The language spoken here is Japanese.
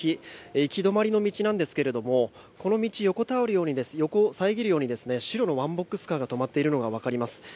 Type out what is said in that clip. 行き止まりの道なんですけれどもこの道を遮るように白のワンボックスカーが止まっているのが分かります。